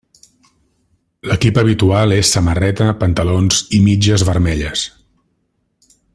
L'equip habitual és samarreta, pantalons i mitges vermelles.